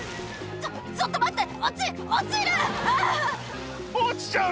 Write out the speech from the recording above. ちょ、ちょっと待って、落ちちゃう！